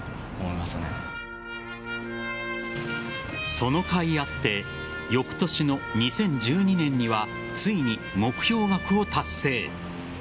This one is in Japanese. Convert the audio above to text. その甲斐あって翌年の２０１２年にはついに目標額を達成。